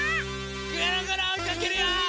ぐるぐるおいかけるよ！